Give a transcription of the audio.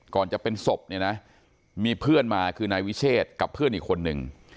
ก่อนจะเป็นศพเนี่ยนะมีเพื่อนมาคือนายวิเชษกับเพื่อนอีกคนนึง